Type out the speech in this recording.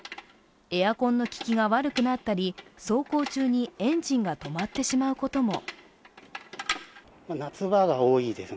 エアコンの効きが悪くなったり走行中にエンジンが止まってしまうことも。